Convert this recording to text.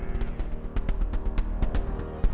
ya aku harus berhasil